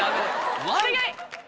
お願い！